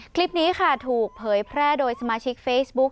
คลิปนี้ค่ะถูกเผยแพร่โดยสมาชิกเฟซบุ๊ค